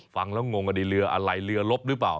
ฟังแล้วงงกันดีเรืออะไรเรือลบหรือเปล่า